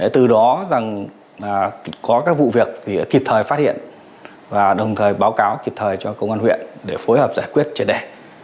từ đó rằng có các vụ việc thì kịp thời phát hiện và đồng thời báo cáo kịp thời cho công an huyện để phối hợp giải quyết triệt đẻ